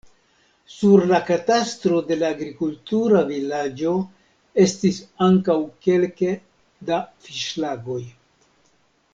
Sur la katastro de la agrikultura vilaĝo estis ankaŭ kelke da fiŝlagoj.